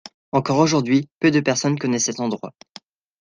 Encore aujourd'hui, peu de personnes connaissent cet endroit.